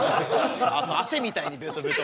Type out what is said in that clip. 汗みたいにベトベト。